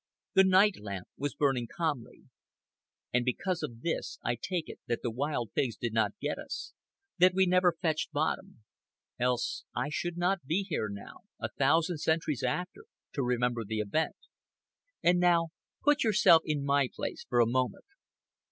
The night lamp was burning calmly. And because of this I take it that the wild pigs did not get us, that we never fetched bottom; else I should not be here now, a thousand centuries after, to remember the event. And now put yourself in my place for a moment.